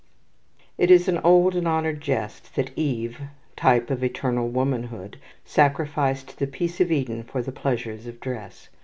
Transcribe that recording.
It is an old and honoured jest that Eve type of eternal womanhood sacrificed the peace of Eden for the pleasures of dress.